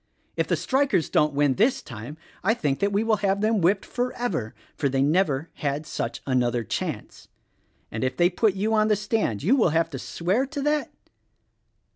If the strikers don't win this time I think that we will have them whipped forever; for they never had such another chance. And if they put you on the stand you will have to swear to that?"